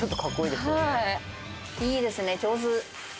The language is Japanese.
いいですね、上手。